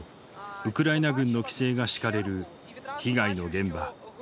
ウクライナ軍の規制が敷かれる被害の現場。